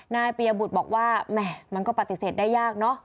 นายปียบุตรบอกว่าแหม่มันก็ปฏิเสธได้ยากเนอะ